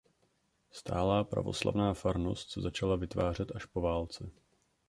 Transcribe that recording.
Stálá pravoslavná farnost se začala vytvářet až po válce.